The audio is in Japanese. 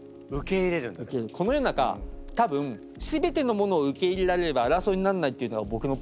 この世の中多分すべてのものを受け入れられれば争いになんないっていうのが僕のポリシー。